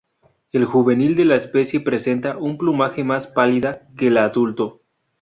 El juvenil de la especie presenta un plumaje más pálida que el adulto.